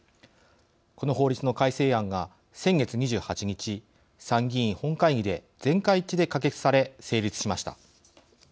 この法律の改正案が先月２８日参議院本会議で全会一致で可決され成立しました。